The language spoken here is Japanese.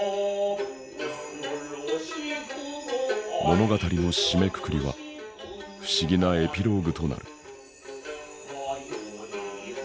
物語の締めくくりは不思議なエピローグとなる。